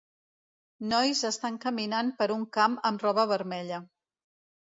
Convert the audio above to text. nois estan caminant per un camp amb roba vermella.